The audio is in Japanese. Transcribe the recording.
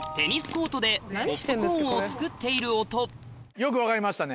よく分かりましたね。